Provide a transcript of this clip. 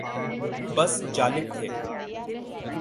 بس جالب تھے